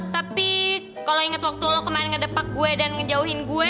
tapi kalau ingat waktu lo kemarin ngedepak gue dan menjauhin gue